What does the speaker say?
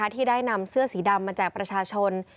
ที่ได้นำเสื้อสีดำมาแจกประชาชน